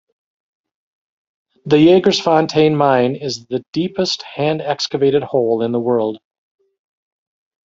The Jagersfontein Mine is the deepest hand-excavated hole in the world.